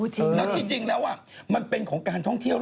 แล้วจริงแล้วมันเป็นของการท่องเที่ยว